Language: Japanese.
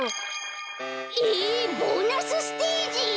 えボーナスステージ！？